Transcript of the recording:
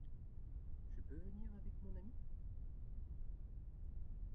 Je peux venir avec mon ami ?